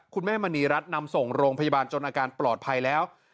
แม่มณีรัฐนำส่งโรงพยาบาลจนอาการปลอดภัยแล้ว